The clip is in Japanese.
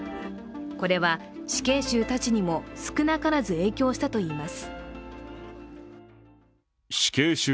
これは死刑囚たちにも少なからず影響したといいます。